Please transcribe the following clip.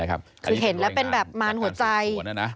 คือเห็นแล้วเป็นแบบมารหัวใจ